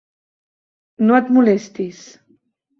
No et molestis.